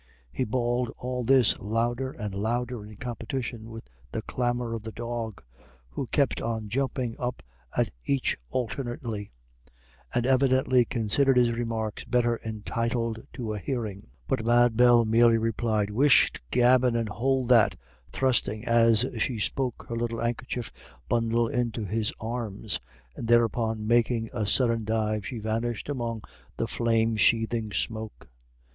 He bawled all this louder and louder in competition with the clamour of the dog, who kept on jumping up at each alternately, and evidently considered his remarks better entitled to a hearing. But Mad Bell merely replied, "Whisht gabbin', and hould that," thrusting, as she spoke, her little handkerchief bundle into his arms. And thereupon, making a sudden dive, she vanished among the flame sheathing smoke.